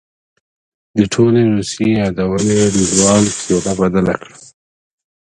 د ټولې روسيې يادونې د ځوان څېره بدله کړه.